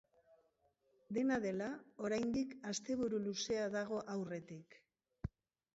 Dena dela, oraindik asteburu luzea dago aurretik.